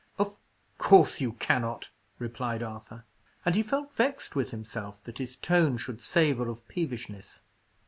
"Of course you cannot," replied Arthur: and he felt vexed with himself that his tone should savour of peevishness.